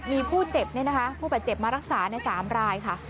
มีผู้เจ็บเนี่ยนะคะผู้บาดเจ็บมารักษาใน๓รายค่ะ